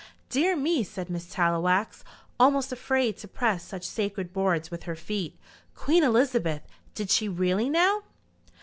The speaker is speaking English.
"Dear me," said Miss Tallowax, almost afraid to press such sacred boards with her feet. "Queen Elizabeth! Did she really now?"